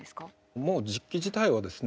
もう実機自体はですね